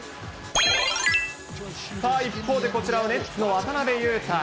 一方でこちらはネッツの渡邊雄太。